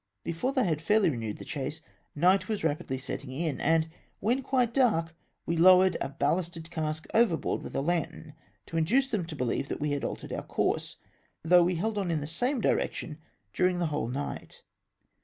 Before they had faudy renewed the chase night was rapidly setting in, and when quite dark, we lowered a ballasted cask overboard ivitli a lantern, to induce them to beheve that we had altered our com^se, though we held on in the same direction during the whole night.